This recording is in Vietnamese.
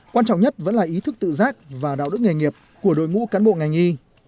quan trọng nhất vẫn là ý thức tự giác và đạo đức nghề nghiệp của đội ngũ cán bộ ngành y